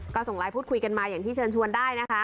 ก็ส่งไลน์พูดคุยกันมาอย่างที่เชิญชวนได้นะคะ